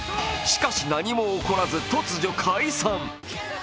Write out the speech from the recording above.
しかし何も起こらず、突如解散。